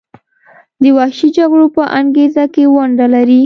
د وحشي جګړو په انګیزه کې ونډه لري.